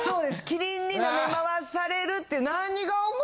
キリンに舐めまわされるっていう。